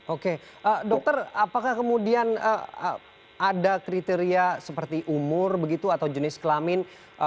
oke dokter apakah kemudian ada kriteria seperti umur begitu atau jenis kelamin